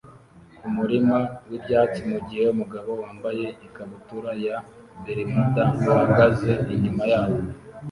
kumurima wibyatsi mugihe umugabo wambaye ikabutura ya bermuda ahagaze inyuma yabo